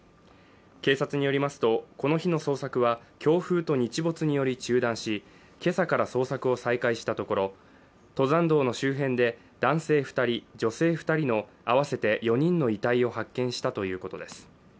警察によりますと、この日の捜索は強風と日没により中断し、今朝から捜索を再開したところ、登山道の周辺で男性２人、女性２人の合わせて４人の遺体を発見したということです。